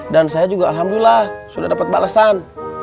dan saya juga alhamdulillah sudah dapat balesan